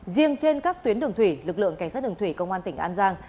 riêng trên các tuyến đường thủy lực lượng cảnh sát đường thủy công an tỉnh an giang